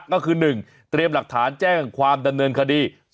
ก็คือ๑เตรียมหลักฐานแจ้งความดำเนินคดี